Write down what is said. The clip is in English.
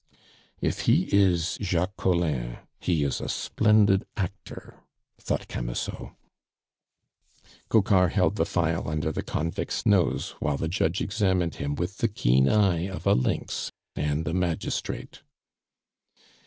"If he is Jacques Collin, he is a splendid actor!" thought Camusot. Coquart held the phial under the convict's nose, while the judge examined him with the keen eye of a lynx and a magistrate.